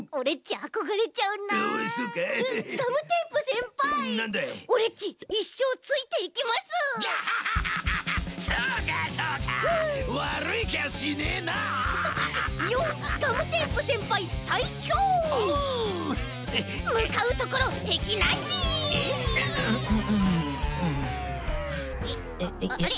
あっあれ？